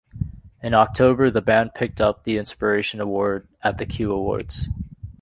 In October the band picked up the Inspiration Award at the Q Awards.